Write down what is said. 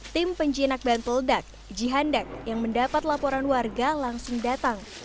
tim penjinak bahan pelendak jihan dak yang mendapat laporan warga langsung datang